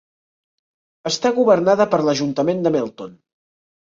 Està governada per l'Ajuntament de Melton.